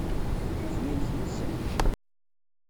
Bninet nezzeh!